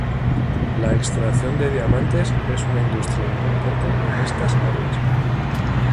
La extracción de diamantes es una industria importante en estas áreas.